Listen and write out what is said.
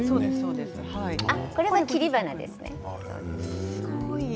これは切り花ですね。